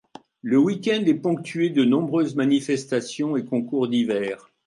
Le week-end est ponctué de nombreuses manifestations et concours divers.